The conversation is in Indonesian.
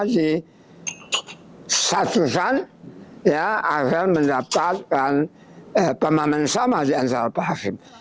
disatukan agar mendapatkan pemahaman sama diantara penghakim